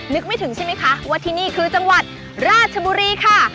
นึกไม่ถึงใช่ไหมคะว่าที่นี่คือจังหวัดราชบุรีค่ะ